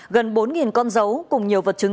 gần bốn con dấu cùng nhiều vật chứng